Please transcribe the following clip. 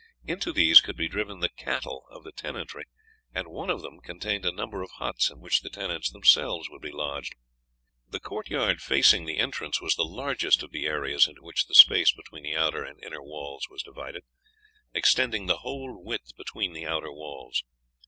Into these could be driven the cattle of the tenantry, and one of them contained a number of huts in which the tenants themselves would be lodged. The court yard facing the entrance was the largest of the areas into which the space between the outer and inner walls was divided, extending the whole width between the outer walls.